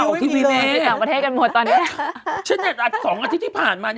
อันที่๒อาทิตย์ที่ผ่านมา